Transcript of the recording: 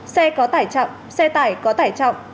xe có tải trọng xe tải có tải trọng